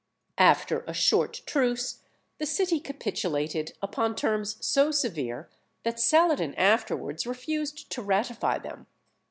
After a short truce the city capitulated upon terms so severe that Saladin afterwards refused to ratify them.